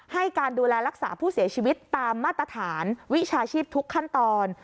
ให้การดูแลรักษาผู้เสียชีวิตตามมาตรฐานวิชาชีพทุกขั้นตอน